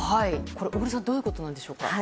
小栗さんどういうことなんでしょうか。